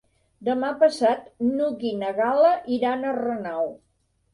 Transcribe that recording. Demà passat n'Hug i na Gal·la iran a Renau.